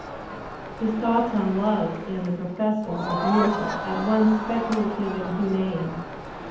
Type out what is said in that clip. His thoughts on love in "The Professor'* are beautiful, at once speculative and humane.